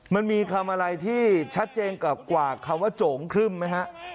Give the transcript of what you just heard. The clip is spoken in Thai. มันมีคำอะไรที่ชัดเจนกว่าคำว่าโจ๋งครึ่มไหมฮะ